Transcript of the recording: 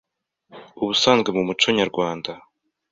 ubusanzwe mu muco nyarwanda,